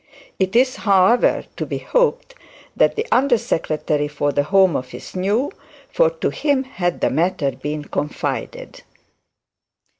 It is however to be hoped that the under secretary for the Home Office knew, for to him had the matter been confided.